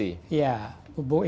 iya diskresi itu ada juga